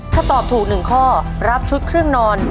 ถ้าตอบถูก๑ข้อรับชุดเครื่องนอน